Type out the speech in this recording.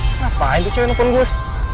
kenapa itu cewek nelfon gue